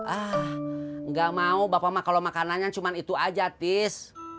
enggak mau bapak kalau makanannya cuma itu aja tis